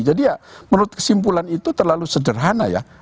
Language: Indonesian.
jadi ya menurut kesimpulan itu terlalu sederhana ya